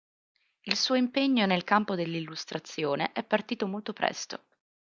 Il suo impegno nel campo dell’illustrazione è partito molto presto.